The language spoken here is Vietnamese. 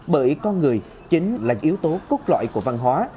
bởi con người chính là yếu tố cốt lõi của văn hóa